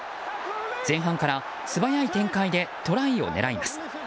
前半から素早い展開でトライを狙います。